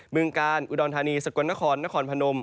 เมืองกาลอุดรธานีสกลนครนครพนม